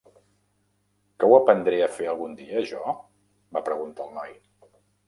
"Que ho aprendré a fer algun dia, jo?", va preguntar el noi.